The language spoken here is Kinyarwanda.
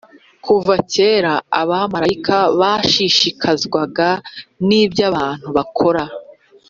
kuva kera abamarayika bashishikazwaga n’ibyo abantu bakora